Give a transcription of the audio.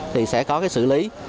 thì sẽ có xử lý